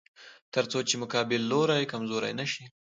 تر څو چې مقابل لوری کمزوری نشي.